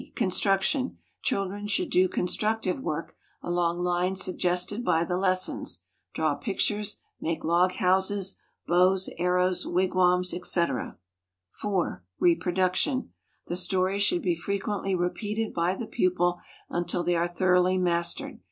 Construction. Children should do constructive work along lines suggested by the lessons draw pictures, make log houses, bows, arrows, wigwams, etc. 4. Reproduction. The stories should be frequently repeated by the pupil until they are thoroughly mastered.